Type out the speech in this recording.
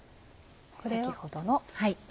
先ほどの。